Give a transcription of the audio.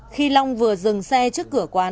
khi long vừa dừng xe trước cửa quà